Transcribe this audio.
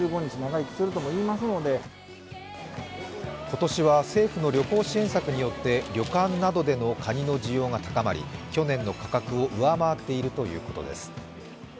今年は政府の旅行支援策によって旅館などでのカニの需要が高まり去年の価格を上回っているということです。